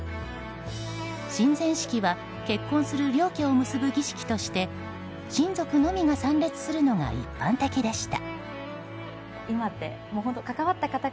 神前式は結婚する両家を結ぶ儀式として親族のみが参列するのが一般的でした。